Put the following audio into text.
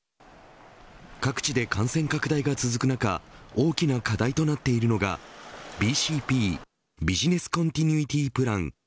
各地で感染拡大が続く中大きな課題となっているのがＢＣＰビジネス・コンティニュイティプラン。